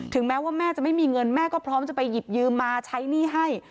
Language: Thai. แม้ว่าแม่จะไม่มีเงินแม่ก็พร้อมจะไปหยิบยืมมาใช้หนี้ให้